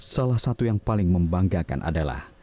salah satu yang paling membanggakan adalah